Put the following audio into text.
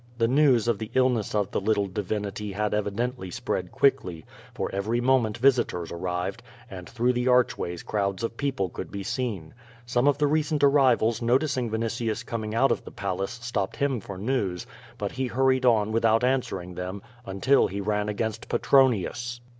The news of the illness of the Uttle divinity had evidently spread quickly, for every moment visitors arrived, and through the archways crowds of people could be seen. Some of the recent arrivals noticing Vinitius coming out of the Palace stopped him for news, but he hurried on without an swering them^ until he ran against Petronius.